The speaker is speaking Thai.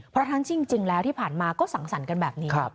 เพราะทั้งจริงแล้วที่ผ่านมาก็สังสรรค์กันแบบนี้